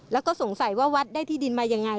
แล้วก็สงสัยว่าวัดได้ที่ดินมายังไง